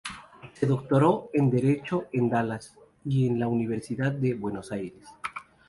Se doctoró en derecho en Dallas y en la Universidad de Buenos Aires.